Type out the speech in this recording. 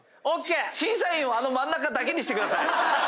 審査員はあの真ん中だけにしてください。